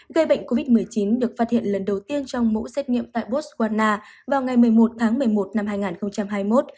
gây bệnh covid một mươi chín được phát hiện lần đầu tiên trong mẫu xét nghiệm tại botswana vào ngày một mươi một tháng một mươi một năm hai nghìn hai mươi một